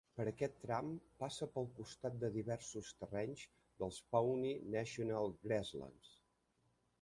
Per aquest tram passa pel costat de diversos terrenys dels Pawnee National Grasslands.